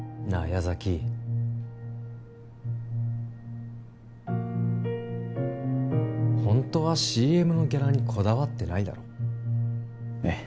矢崎ホントはＣＭのギャラにこだわってないだろえっ？